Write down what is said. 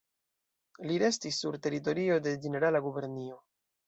Li restis sur teritorio de Ĝenerala Gubernio.